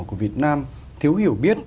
của việt nam thiếu hiểu biết